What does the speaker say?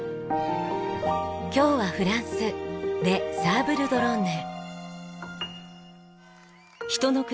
今日はフランスレ・サーブル・ドロンヌ。